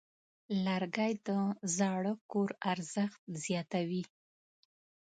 لرګی د زاړه کور ارزښت زیاتوي.